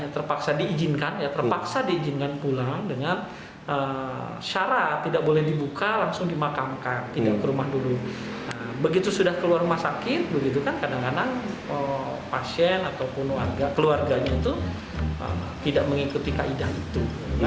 tidak mengikuti kaedah itu